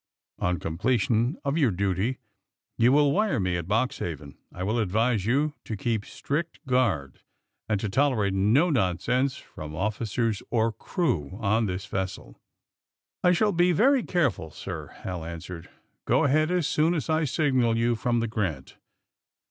On completion of your duty you will wire me at Boxhaven. I advise you to keep strict guard and to tolerate no nonsense from officers or crew of this vessel." '^I shall be very careful, sir," Hal answered. ^^Go ahead as soon as I signal you from the 'Grant.'"